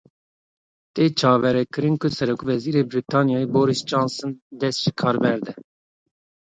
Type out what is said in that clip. Tê çaverêkirin ku Serokwezîrê Brîtanyayê Boris Johnson dest ji kar berde.